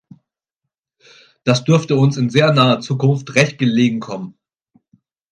Das dürfte uns in sehr naher Zukunft recht gelegen kommen.